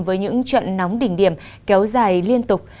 với những trận nóng đỉnh điểm kéo dài liên tục